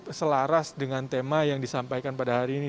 seberapa selaras dengan tema yang disampaikan pada hari ini